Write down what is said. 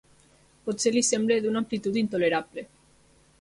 Potser li sembla d'una amplitud intolerable.